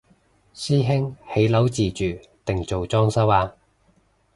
師兄起樓自住定做裝修啊？